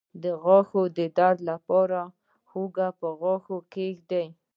د غاښ درد لپاره هوږه په غاښ کیږدئ